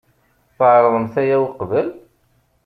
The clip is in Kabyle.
Tɛerḍemt aya uqbel?